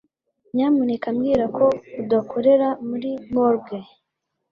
Nyamuneka mbwira ko udakorera muri morgue.